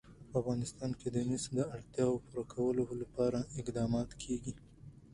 په افغانستان کې د مس د اړتیاوو پوره کولو لپاره اقدامات کېږي.